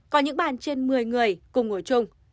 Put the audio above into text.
có những bàn trên một mươi người cùng ngồi chung